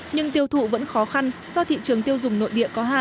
nhưng tiêu thụ vẫn khó khăn do thị trường tiêu dùng nội địa có hạn